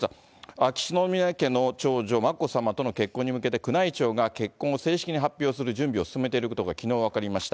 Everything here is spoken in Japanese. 秋篠宮家の長女、眞子さまとの結婚に向けて宮内庁が結婚を正式に発表する準備を進めていることがきのう分かりました。